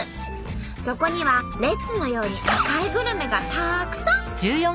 そこにはレッズのように赤いグルメがたくさん！